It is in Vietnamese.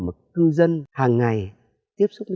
nóc chân không xa đường mộ